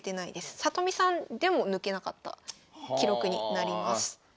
里見さんでも抜けなかった記録になります。